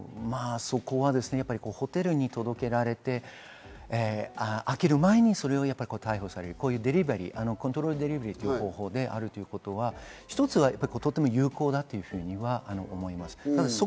ホテルに届けられて、開ける前に、それを逮捕されるコントロールド・デリバリーという方法であるということは、一つは有効だというふうに思います。